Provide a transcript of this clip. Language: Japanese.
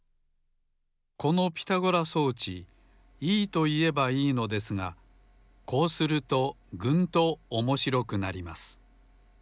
このピタゴラ装置いいといえばいいのですがこうするとぐんと面白くなります